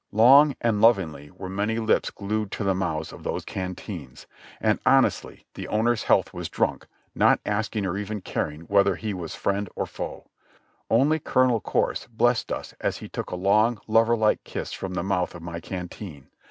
Long and lovingly were many lips glued to the mouths of those canteens, and honestly the owner's health was drunk, not asking or even caring whether he was friend or foe; only Colonel Corse blessed us as he took a long, lover like kiss from the mouth of my canteen.